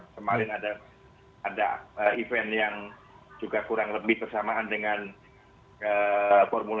kemarin ada event yang juga kurang lebih bersamaan dengan formula